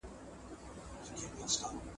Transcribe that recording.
د غوښې کمول د چاپیریال لپاره ګټور عمل دی.